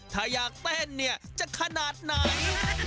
ถ้าอยากเต้นเนี่ยจะขนาดไหน